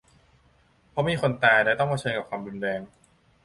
เพราะมีคนตาย และ ต้องเผชิญกับความรุนแรง